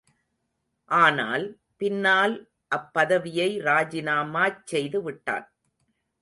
ஆனால், பின்னால் அப்பதவியை ராஜினாமாச் செய்துவிட்டான்.